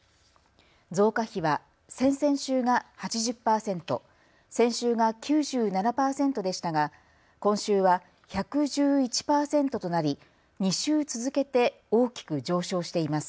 増加比は先々週が８０％、先週が９７％でしたが今週は１１１％となり２週続けて大きく上昇しています。